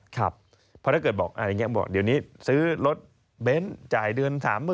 เพราะถ้าเกิดบอกเดี๋ยวนี้ซื้อรถเบนท์จ่ายเดือน๓๐๐๐๐บาท